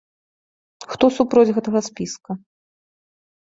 Хто супроць гэтага спіска?